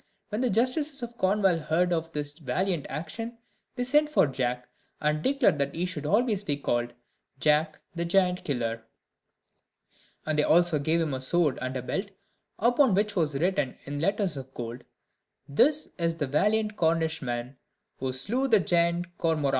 When the justices of Cornwall heard of this valiant action, they sent for Jack, and declared that he should always be called Jack the Giant Killer; and they also gave him a sword and belt, upon which was written, in letters of gold: "This is the valiant Cornishman Who slew the giant Cormoran."